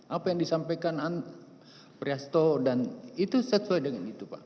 apa yang disampaikan priasto dan itu sesuai dengan itu pak